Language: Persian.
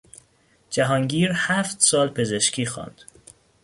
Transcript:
جهانگیر هفت سال پزشکی خواند.